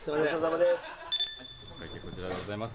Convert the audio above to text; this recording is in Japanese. お会計こちらでございます。